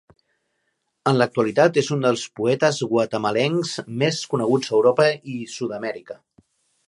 En l'actualitat és un dels poetes guatemalencs més coneguts a Europa i Sud-amèrica.